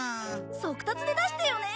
速達で出してよね！